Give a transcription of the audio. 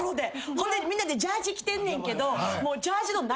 ほんでみんなでジャージー着てんねんけど。